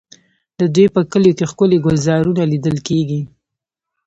د دوی په کلیو کې ښکلي ګلزارونه لیدل کېږي.